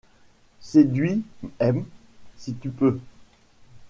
Séduis-m… si tu peux !